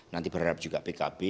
nanti berharap juga pkb